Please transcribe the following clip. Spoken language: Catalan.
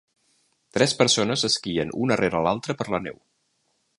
Tres persones esquien una rere l'altra per la neu.